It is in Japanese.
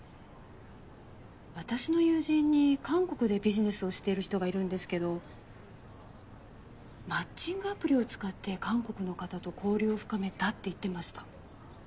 私の友人に韓国でビジネスをしてる人がいるんですけどマッチングアプリを使って韓国の方と交流を深めたって言ってました。